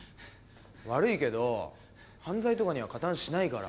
悪いけど犯罪とかには加担しないから。